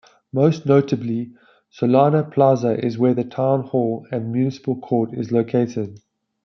Most notably, Solana Plaza is where the Town Hall and municipal court is located.